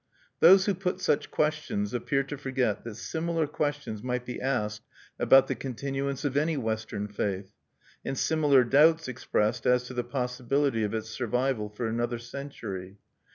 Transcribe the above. Those who put such questions appear to forget that similar questions might be asked about the continuance of any Western faith, and similar doubts expressed as to the possibility of its survival for another century.